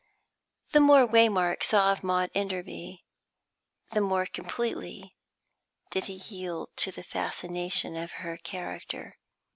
The more Waymark saw of Maud Enderby the more completely did he yield to the fascination of her character.